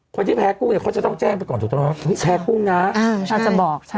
เพราะไทยแพ้กุ้งก็จะต้องแจ้งไปก่อนคือแพ้กุ้งน้ำตาจะบอกใช่